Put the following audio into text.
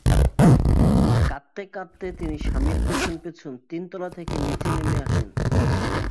কাঁদতে কাঁদতে তিনি স্বামীর পেছন পেছন তিনতলা থেকে নিচে নেমে আসেন।